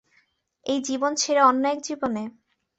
এই জীবন ছেড়ে অন্য এক জীবনে।